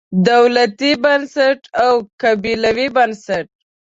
دولتي بنسټ او قبیلوي بنسټ.